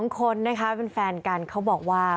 ๒คนนะคะเป็นแฟนกันเขาบอกว่า